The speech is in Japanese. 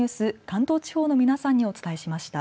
関東地方の皆さんにお伝えしました。